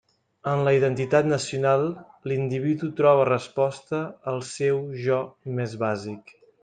En la identitat nacional l'individu troba resposta al seu «jo» més bàsic.